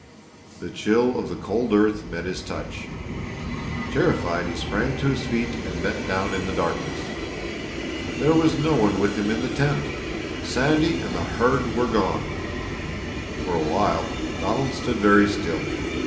The chill of the cold earth met his touch. Terrified he sprang to his feet and bent down in the darkness. There was no one with him in the tent! Sandy and the herd were gone! For a while Donald stood very still.